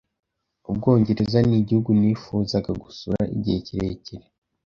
Ubwongereza nigihugu nifuzaga gusura igihe kirekire.